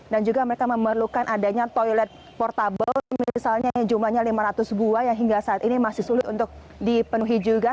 dan juga mereka memerlukan adanya toilet portable misalnya jumlahnya lima ratus buah yang hingga saat ini masih sulit untuk dipenuhi juga